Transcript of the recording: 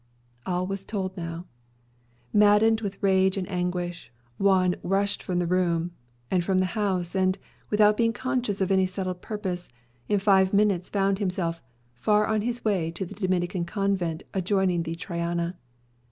All was told now. Maddened with rage and anguish, Juan rushed from the room, from the house; and, without being conscious of any settled purpose, in five minutes found himself far on his way to the Dominican convent adjoining the Triana.